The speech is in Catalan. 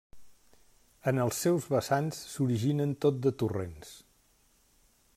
En els seus vessants s'originen tot de torrents.